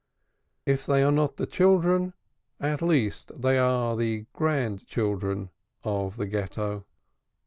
If they are not the Children, they are at least the Grandchildren of the Ghetto.